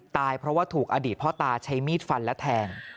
เพราะว่าถูกอดีตพ่อตาใช้มีดฟันและแทง